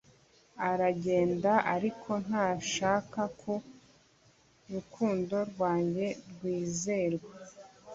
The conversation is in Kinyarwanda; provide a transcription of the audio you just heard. Aragenda ariko ndashaka ku rukundo rwanjye rwizerwa